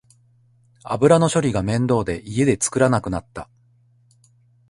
油の処理が面倒で家で作らなくなった